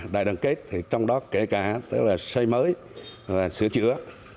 đại đoàn kết thì trong đó kể cả xây mới và sửa chữa